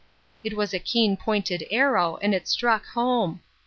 " It was a keen pointed arrow, and it struck home.